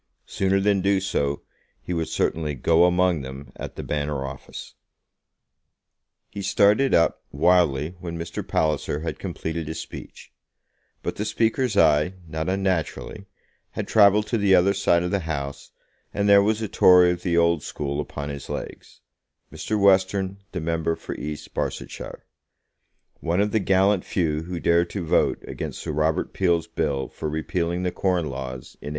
Sooner than do so he would certainly "go among them" at the Banner office. He started up, wildly, when Mr. Palliser had completed his speech; but the Speaker's eye, not unnaturally, had travelled to the other side of the House, and there was a Tory of the old school upon his legs, Mr. Western, the member for East Barsetshire, one of the gallant few who dared to vote against Sir Robert Peel's bill for repealing the Corn Laws in 1846.